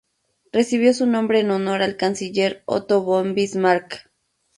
Recibió su nombre en honor al canciller Otto von Bismarck.